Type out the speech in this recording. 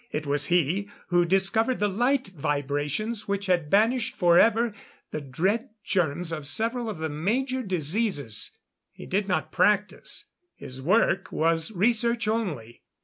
It was he who discovered the light vibrations which had banished forever the dread germs of several of the major diseases. He did not practice; his work was research only.